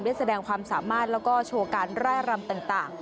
ได้แสดงความสามารถแล้วก็โชว์การร่ายรำต่าง